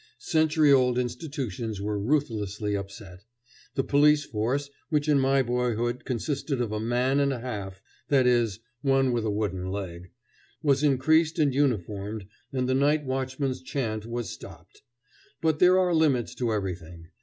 Century old institutions were ruthlessly upset. The police force, which in my boyhood consisted of a man and a half that is, one with a wooden leg was increased and uniformed, and the night watchmen's chant was stopped. But there are limits to everything.